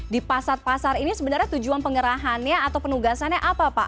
di pasar pasar ini sebenarnya tujuan pengerahannya atau penugasannya apa pak